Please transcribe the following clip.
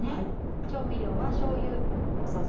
調味料はしょうゆ。